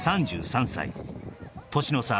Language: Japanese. ３３歳年の差